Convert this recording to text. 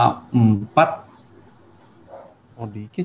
satu tahun paling paling banyak cuma empat